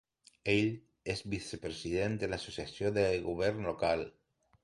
Ell és vicepresident de l'Associació de Govern Local.